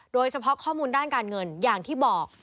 โดยเฉพาะข้อมูลด้านการเงินอย่างที่บอก